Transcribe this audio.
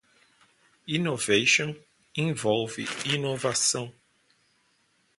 Innovation envolve inovação.